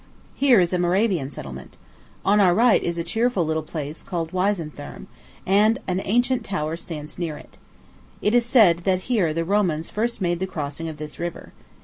Here is a Moravian settlement. On our right is a cheerful little place, called Weisenthurm, and an ancient tower stands near it. It is said that here the Romans first made the crossing of this river.